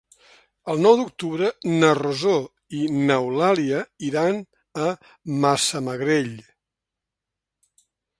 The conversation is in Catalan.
El nou d'octubre na Rosó i n'Eulàlia iran a Massamagrell.